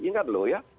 ingat loh ya